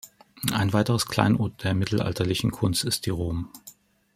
Ein weiteres Kleinod der mittelalterlichen Kunst ist die rom.